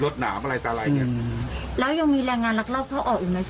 อ๋อเดินออกไป